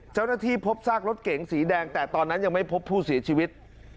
เจ้าหน้าที่พบซากรถเก๋งสีแดงแต่ตอนนั้นยังไม่พบผู้เสียชีวิต